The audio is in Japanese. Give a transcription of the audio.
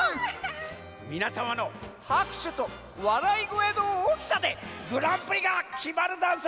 みなさまのはくしゅとわらいごえのおおきさでグランプリがきまるざんす！